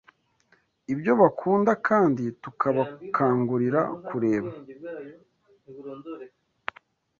ibyo bakunda kandi tukabakangurira kureba